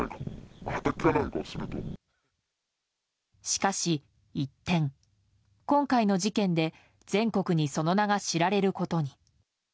しかし一転、今回の事件で全国にその名が知られることに。